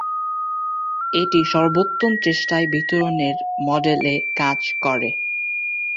এটি সর্বোত্তম চেষ্টায় বিতরণের মডেলে কাজ করে।